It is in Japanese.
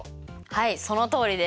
はいそのとおりです。